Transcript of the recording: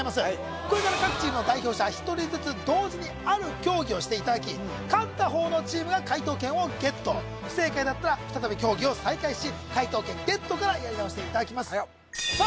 これから各チームの代表者一人ずつ同時にある競技をしていただき勝った方のチームが解答権をゲット不正解だったら再び競技を再開し解答権ゲットからやり直していただきますさあ